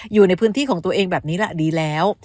อยู่ในพื้นที่ของตัวเองแบบนี้แหละดีแล้ว